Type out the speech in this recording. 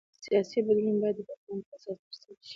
سیاسي بدلون باید د تفاهم پر اساس ترسره شي